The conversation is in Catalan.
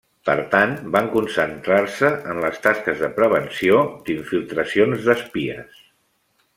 Per tant, van concentrar-se en les tasques de prevenció d'infiltracions d'espies.